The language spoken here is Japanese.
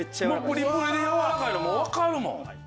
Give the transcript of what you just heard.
プリプリでやわらかいのわかるもん。